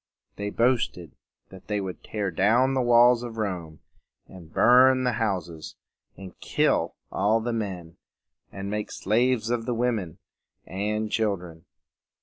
They boasted that they would tear down the walls of Rome, and burn the houses, and kill all the men, and make slaves of the women and children.